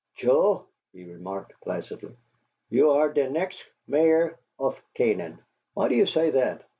"Choe," he remarked, placidly, "you are der next Mayor off Canaan." "Why do you say that?"